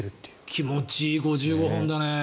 気持ちいい５５本だよね。